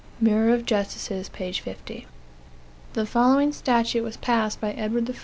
Mirror of Justices, 50. The following statute was passed by Edward I.